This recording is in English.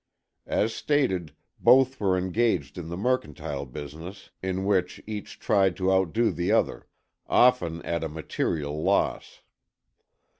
As stated, both were engaged in the mercantile business in which each tried to outdo the other, often at a material loss.